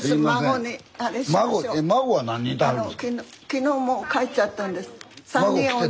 昨日もう帰っちゃったんです。